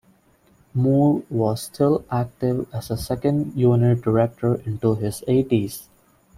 Moore was still active as a second unit director into his eighties.